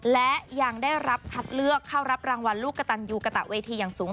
และยังได้รับคัดเลือกเข้ารับรางวัลลูกกระตันยูกระตะเวทีอย่างสูง